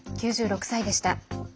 ９６歳でした。